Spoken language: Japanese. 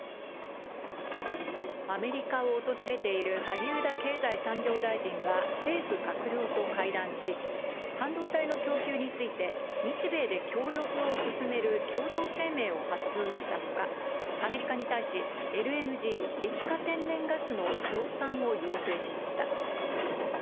アメリカを訪れている萩生田経済産業大臣は政府閣僚と会談し、半導体の供給について、日米で協力を進める共同声明を発表したほか、アメリカに対し、ＬＮＧ・液化天然ガスの増産を要請しました。